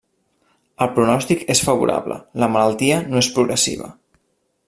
El pronòstic és favorable; la malaltia no és progressiva.